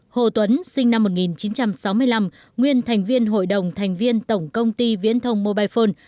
hồ tuấn sinh năm một nghìn chín trăm sáu mươi năm nguyên thành viên hội đồng thành viên tổng công ty viễn thông mobile phone